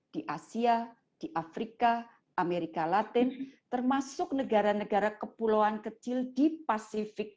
di asia di afrika amerika latin termasuk negara negara kepulauan kecil di pasifik